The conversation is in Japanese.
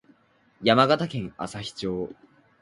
山形県朝日町